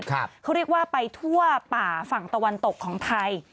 เขาเรียกว่าไปทั่วป่าฝั่งตะวันตกของไทย